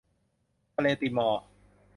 ทะเลติมอร์